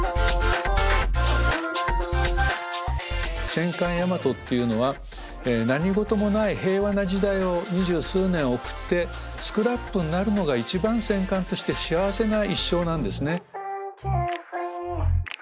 戦艦大和っていうのは何事もない平和な時代を二十数年送ってスクラップになるのが一番戦艦として幸せな一生なんですね。